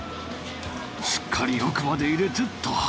しっかり奥まで入れてっと。